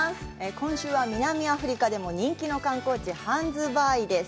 今週は南アフリカでも人気の観光地、ハンズバーイです。